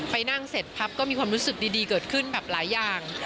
ไปนั่งเสร็จปั๊บก็มีความรู้สึกดีเกิดขึ้นแบบหลายอย่าง